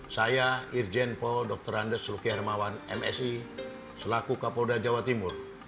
saya irjen paul dr andes luki hermawan msi selaku kapolda jawa timur